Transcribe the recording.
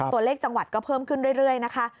ตัวเลขจังหวัดก็เพิ่มขึ้นเรื่อยนะคะ